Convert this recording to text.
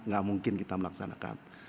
gak mungkin kita melaksanakan